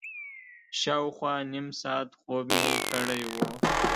شاوخوا نیم ساعت خوب مې کړی و.